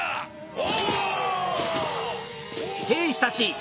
お！